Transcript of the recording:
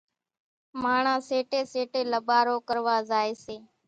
ماڻۿان سيٽيَ سيٽيَ لاٻارو ڪروا زائيَ سي۔